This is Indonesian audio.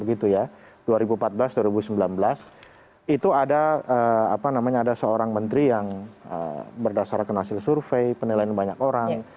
itu ada seorang menteri yang berdasarkan hasil survei penilaian banyak orang